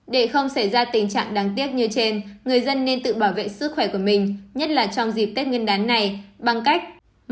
để không xảy ra tình trạng đáng tiếc như trên người dân nên tự bảo vệ sức khỏe của mình nhất là trong dịp tết nguyên đán này bằng cách